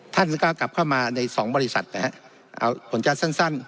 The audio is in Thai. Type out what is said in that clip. ท่านก็กลับเข้ามาใน๒บริษัทผลจัดสั้น